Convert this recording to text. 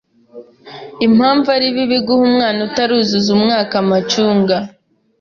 Impamvu ari bibi guha umwana utaruzuza umwaka amacunga